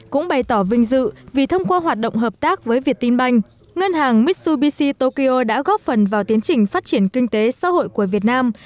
cũng bày tỏ vinh dự vì thông qua hoạt động hợp tác với việt tinh banh ngân hàng mitsubishi tokyo đã góp phần vào tiến trình phát triển kinh tế xã hội của việt nam